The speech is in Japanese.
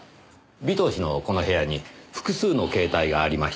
尾藤氏のこの部屋に複数の携帯がありました。